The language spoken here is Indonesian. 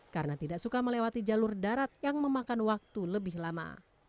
karena tidak suka melewati jalur darat yang memakan waktu lebih lama